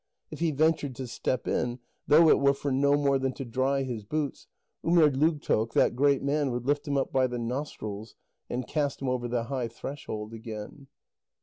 If he ventured to step in, though it were for no more than to dry his boots, Umerdlugtoq, that great man, would lift him up by the nostrils, and cast him over the high threshold again.